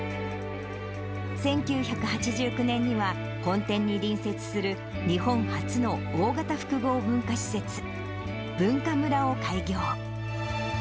１９８９年には、本店に隣接する日本初の大型複合文化施設、Ｂｕｎｋａｍｕｒａを開業。